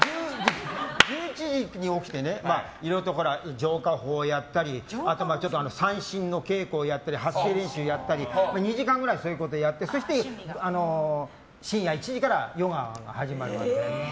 １１時に起きていろんな浄化法をやったり三線の稽古をやったり発声練習をやったり２時間ぐらいそういうことやってそして深夜１時からヨガが始まるわけで。